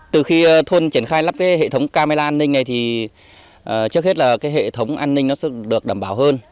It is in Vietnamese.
từ khi thôn triển khai lắp cái hệ thống camera an ninh này thì trước hết là cái hệ thống an ninh nó sẽ được đảm bảo hơn